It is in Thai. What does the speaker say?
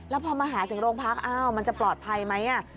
แล้วพอมาหาถึงโรงพักอ้าวมันจะปลอดภัยไหม